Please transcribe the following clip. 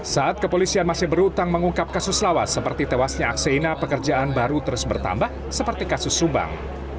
saat kepolisian masih berhutang mengungkap kasus lawas seperti tewasnya akseina pekerjaan baru terus bertambah seperti kasus subang